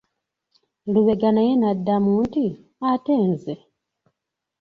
Lubega naye n'addamu nti:"ate nze"